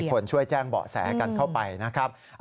คนช่วยแจ้งเบาะแสกันเข้าไปนะครับ